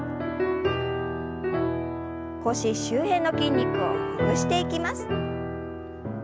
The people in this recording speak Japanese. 腰周辺の筋肉をほぐしていきます。